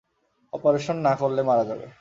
Operation না করলে মারা যাবে।